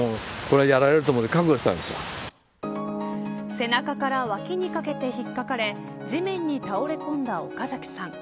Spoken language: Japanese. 背中から脇にかけて引っかかれ地面に倒れ込んだ岡崎さん。